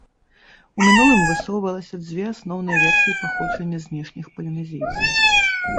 У мінулым высоўвалася дзве асноўныя версіі паходжання знешніх палінезійцаў.